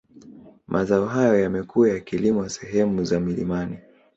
Mazao hayo yamekuwa yakilimwa sehemu za milimani